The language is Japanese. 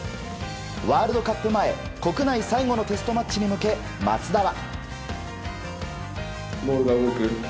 ワールドカップ前国内最後のテストマッチに向け松田は。